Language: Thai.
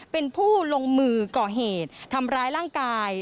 เป็นผู้ลงมือก่อเหตุทำร้ายร่างกาย